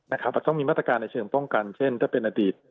อาจจะต้องมีมาตรการในเชิงป้องกันเช่นถ้าเป็นอดีต